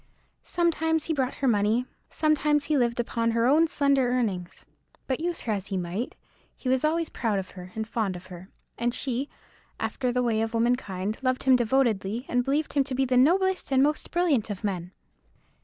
Sometimes he brought her money; sometimes he lived upon her own slender earnings. But use her as he might, he was always proud of her, and fond of her; and she, after the way of womankind, loved him devotedly, and believed him to be the noblest and most brilliant of men.